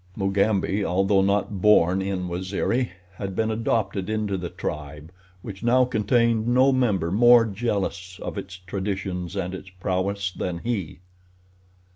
Mugambi, although not born in Waziri, had been adopted into the tribe, which now contained no member more jealous of its traditions and its prowess than he.